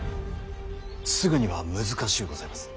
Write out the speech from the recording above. すぐには難しゅうございます。